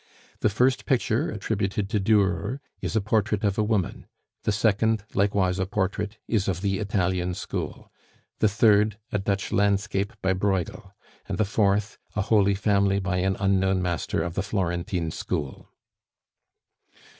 The first picture, attributed to Durer, is a portrait of a woman; the second, likewise a portrait, is of the Italian School; the third, a Dutch landscape by Breughel; and the fourth, a Holy Family by an unknown master of the Florentine School."